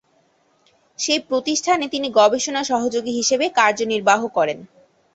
সেই প্রতিষ্ঠানে তিনি গবেষণা সহযোগী হিসেবে কার্যনির্বাহ করেন।